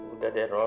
udah deh ror